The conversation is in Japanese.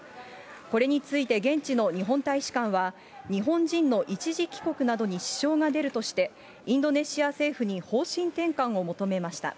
これについて現地の日本大使館は、日本人の一時帰国などに支障が出るとして、インドネシア政府に方針転換を求めました。